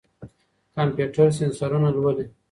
کمپيوټر سېنسرونه لولي.